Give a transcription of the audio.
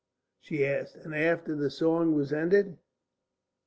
she asked. "And after the song was ended?"